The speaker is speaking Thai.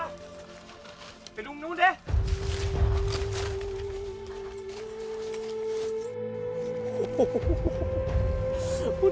ไปดูข้างโน้นเนี้ย